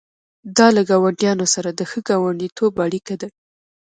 دا له ګاونډیانو سره د ښه ګاونډیتوب اړیکه ده.